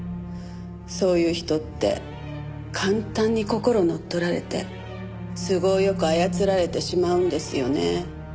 そういう人って簡単に心を乗っ取られて都合良く操られてしまうんですよね。